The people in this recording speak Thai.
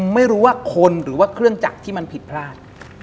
ไม่รู้ว่าคนหรือว่าเครื่องจักรที่มันผิดพลาด